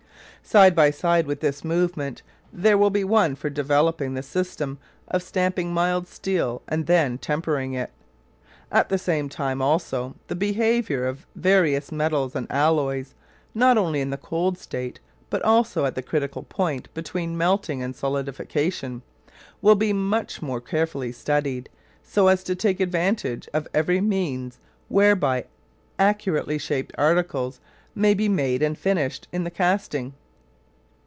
Side by side with this movement there will be one for developing the system of stamping mild steel and then tempering it. At the same time also the behaviour of various metals and alloys, not only in the cold state but also at the critical point between melting and solidification, will be much more carefully studied so as to take advantage of every means whereby accurately shaped articles may be made and finished in the casting.